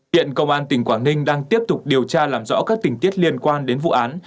hiện công an tỉnh quảng ninh đang tiếp tục điều tra làm rõ các tình tiết liên quan đến vụ án